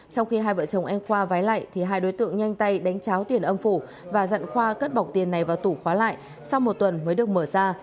trong khi hai vợ chồng anh khoa vái lại thì hai đối tượng nhanh tay đánh cháo tiền âm phủ và dặn khoa cắt bọc tiền này vào tủ khóa lại sau một tuần mới được mở ra